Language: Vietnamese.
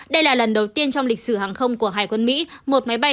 đây là lần đầu tiên trong lịch sử hàng không của hải quân mỹ